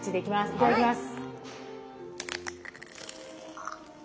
いただきます。